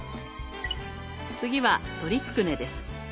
次は鶏つくねです。